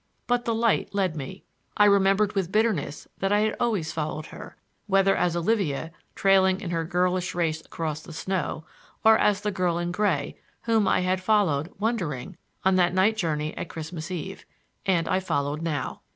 But the light led me. I remembered with bitterness that I had always followed her,—whether as Olivia, trailing in her girlish race across the snow, or as the girl in gray, whom I had followed, wondering, on that night journey at Christmas Eve; and I followed now.